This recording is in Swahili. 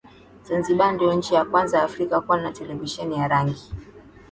Zanzibar ndio nchi ya kwanza afrika kuwa na televisheni ya rangi